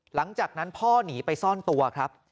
หลังจากนั้นพ่อหนีไปซ่อนตัวครับ